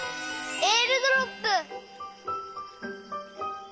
えーるドロップ！